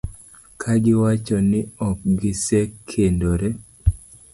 ka giwacho ni ok gisekendore.